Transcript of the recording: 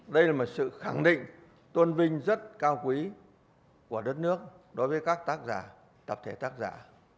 đây là một sự khẳng định tôn vinh rất cao quý của đất nước đối với các tác giả tập thể tác giả